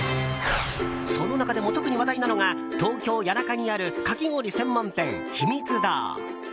その中でも特に話題なのが東京・谷中にあるかき氷専門店、ひみつ堂。